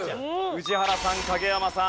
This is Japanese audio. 宇治原さん影山さん